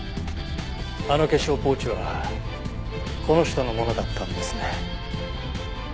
あの化粧ポーチはこの人のものだったんですね。